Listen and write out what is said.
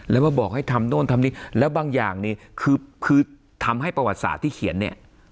แล้วก็บอกให้ทำโน่นทำนี่แล้วบางอย่างนี่คือคือทำให้ประวัติศาสตร์ที่เขียนเนี่ย